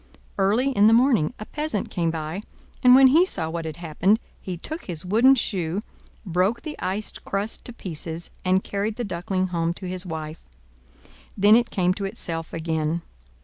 Early in the morning a peasant came by, and when he saw what had happened, he took his wooden shoe, broke the ice crust to pieces, and carried the Duckling home to his wife. Then it came to itself again.